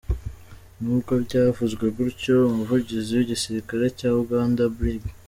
Nubwo byavuzwe gutyo, umuvugizi w’igisirikare cya Uganda, Brig.